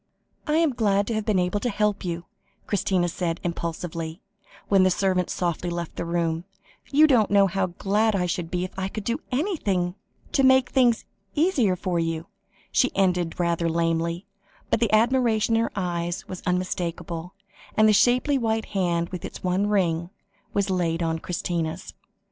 "I am glad I have been able to help you," Christina said impulsively, when the servant softly left the room; "you don't know how glad I should be if I could do anything to make things easier for you," she ended rather lamely, but the admiration in her eyes was unmistakable, and the shapely white hand with its one ring, was laid on Christina's.